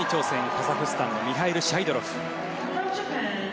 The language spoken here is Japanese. カザフスタンのミハイル・シャイドロフ。